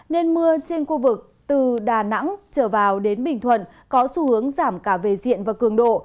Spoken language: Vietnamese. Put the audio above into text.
nên mưa trên khu vực từ đà nẵng trở vào đến bình thuận có xu hướng giảm cả về diện và cường độ